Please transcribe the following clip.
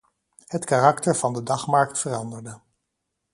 Het karakter van de dagmarkt veranderde.